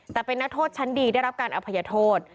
แต่เป็นนักโทษชั้นดีได้รับการอภัยโทษ